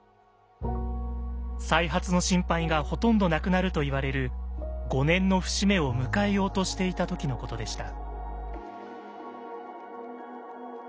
再発の心配がほとんどなくなるといわれる５年の節目を迎えようとしていた時のことでした。